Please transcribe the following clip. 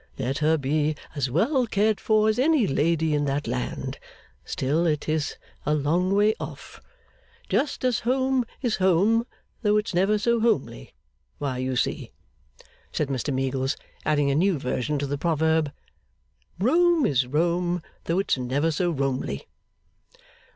Let her be as well cared for as any lady in that land, still it is a long way off. just as Home is Home though it's never so Homely, why you see,' said Mr Meagles, adding a new version to the proverb, 'Rome is Rome, though it's never so Romely.